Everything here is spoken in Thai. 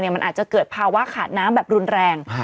มันอาจจะเกิดภาวะขาดน้ำแบบรุนแรง